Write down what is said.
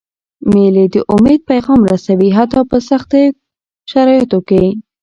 مېلې د امید پیغام رسوي، حتی په سختو شرایطو کي.